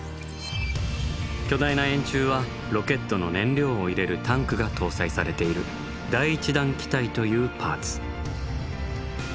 巨大な円柱はロケットの燃料を入れるタンクが搭載されている第１段機体というパーツ。